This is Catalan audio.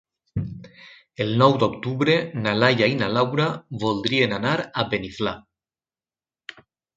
El nou d'octubre na Laia i na Laura voldrien anar a Beniflà.